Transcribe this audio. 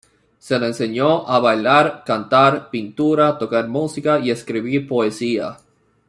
Se le enseñó a bailar, cantar, pintura, tocar música, y escribir poesía.